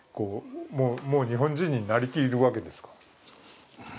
もう日本人になりきるわけですか？